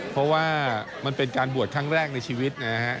เพราะว่ามันเป็นการบวชครั้งแรกในชีวิตนะฮะ